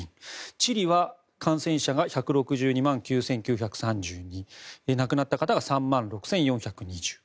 チリは感染者が１６２万９９３２人亡くなった方が３万６４２０人。